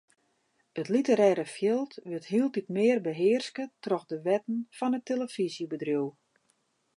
It literêre fjild wurdt hieltyd mear behearske troch de wetten fan it telefyzjebedriuw.